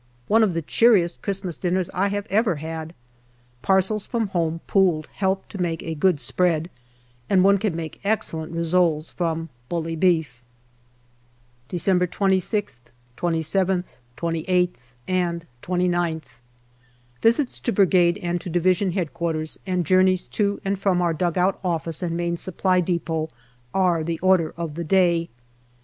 One of the cheeriest Christmas dinners I have ever had. Parcels from home pooled helped to make a good spread, and one can make excellent rissoles from bully beef. December 26th, 27th, 28th, and 29th. Visits to Brigade and to D.H.Q. and journeys to and from our dugout office and Main Supply depot are the order of the day.